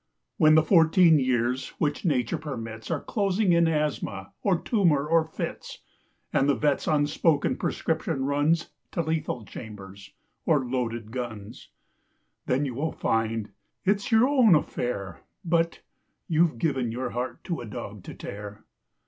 When the fourteen years which Nature permits Are closing in asthma, or tumour, or fits, And the vet's unspoken prescription runs To lethal chambers or loaded guns, Then you will find it's your own affair But... you've given your heart to a dog to tear.